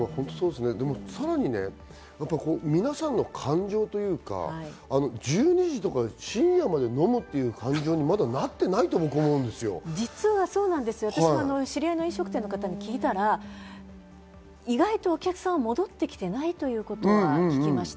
さらに皆さんの感情というか、１２時とか深夜まで飲むっていう感じにまだなってないと僕は思う私も知り合いの飲食店の方に聞いたら、意外とお客さんは戻ってきてないということは聞きました。